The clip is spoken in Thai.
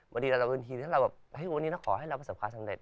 วันนี้เอาคอให้เราผสมขาสำเร็จ